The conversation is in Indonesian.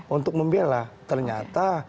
untuk membela ternyata